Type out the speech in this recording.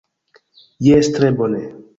Jes tre bone!